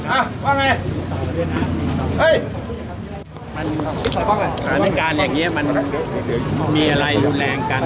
อ่ะว่าไงเอ้ยมันสถานการณ์อย่างเงี้ยมันมีอะไรแรงกัน